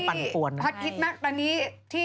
แล้วก็เป็นอีกที่ฮัสนิดมากตอนนี้